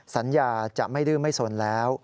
สัญญาจะไม่ดื้อไม่สนแล้ว